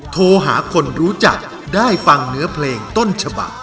โทรหาคนรู้จักได้ฟังเนื้อเพลงต้นฉบัก